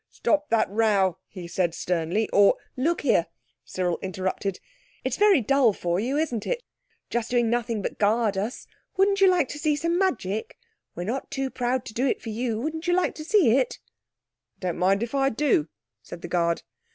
"Stop that row," he said sternly, "or—" "Look here," Cyril interrupted, "it's very dull for you isn't it? Just doing nothing but guard us. Wouldn't you like to see some magic? We're not too proud to do it for you. Wouldn't you like to see it?" "I don't mind if I do," said the guard.